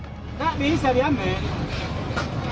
tak bisa diambil